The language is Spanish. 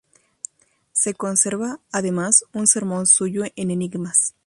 Se conserva, además, un sermón suyo en enigmas.